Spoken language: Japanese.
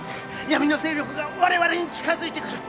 闇の勢力が我々に近づいてくる。